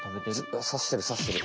さしてるさしてる！